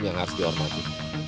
yang harus dihormati